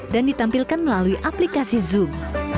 dan ditampilkan melalui aplikasi zoom